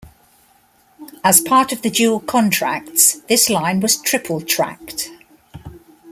As part of the Dual Contracts, this line was triple-tracked.